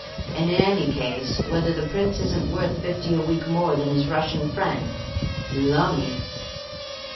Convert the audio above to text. And, In any case, whether the Prince isn't worth fifty a week more than his Russian friend?' Lumme!"